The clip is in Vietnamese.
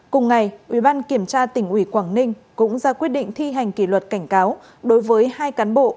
cùng ngày ubnd tp quảng ninh cũng ra quyết định thi hành kỷ luật cảnh cáo đối với hai cán bộ